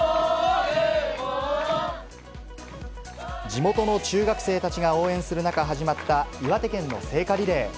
地元の中学生たちが応援する中、始まった岩手県の聖火リレー。